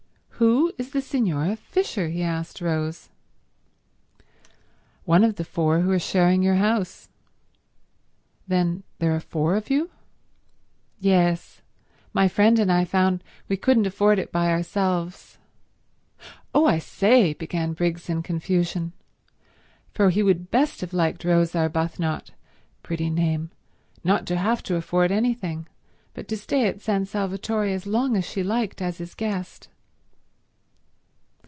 "Who is the Signora Fisher?" he asked Rose. "One of the four who are sharing your house." "Then there are four of you?" "Yes. My friend and I found we couldn't afford it by ourselves." "Oh, I say—" began Briggs in confusion, for he would best have liked Rose Arbuthnot—pretty name—not to have to afford anything, but to stay at San Salvatore as long as she liked as his guest.